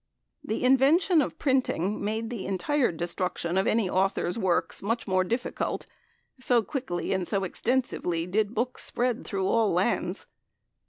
The Invention of Printing made the entire destruction of any author's works much more difficult, so quickly and so extensively did books spread through all lands.